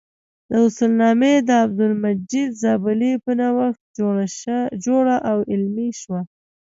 دا اصولنامه د عبدالمجید زابلي په نوښت جوړه او عملي شوه.